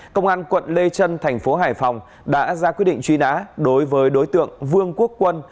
công an quận lê trân thành phố hải phòng đã ra quyết định truy nã đối với đối tượng vương quốc quân